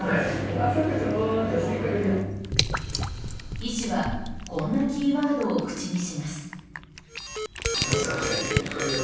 医師はこんなキーワードを口にします。